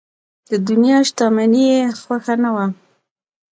د دنیا شتمني یې خوښه نه وه.